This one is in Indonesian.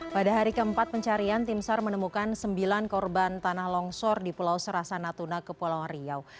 pada hari keempat pencarian tim sar menemukan sembilan korban tanah longsor di pulau serasa natuna kepulauan riau